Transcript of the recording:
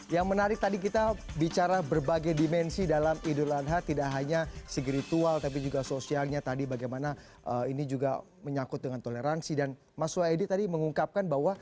yang menarik tadi kita bicara berbagai dimensi dalam idul adha tidak hanya spiritual tapi juga sosialnya tadi bagaimana ini juga menyakut dengan toleransi dan mas waedi tadi mengungkapkan bahwa